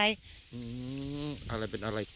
ที่นี่เป็นอะไร